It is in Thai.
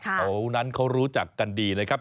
แถวนั้นเขารู้จักกันดีนะครับ